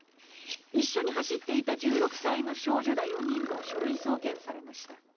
一緒に走っていた１６歳の少女ら４人も書類送検されました。